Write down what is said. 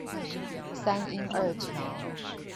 三鶯二橋